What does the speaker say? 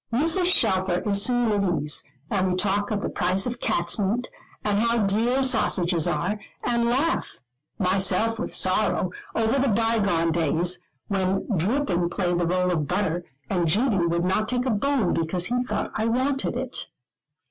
Mrs. Shelfer is soon at ease; and we talk of the price of cat's meat, and how dear sausages are, and laugh myself with sorrow over the bygone days, when dripping played the role of butter, and Judy would not take a bone because he thought I wanted it.